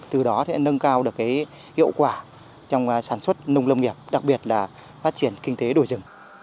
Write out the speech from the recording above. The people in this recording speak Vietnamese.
từ đó thì nâng cao được cái hiệu quả trong sản xuất nông lâm nghiệp đặc biệt là phát triển kinh tế đổi rừng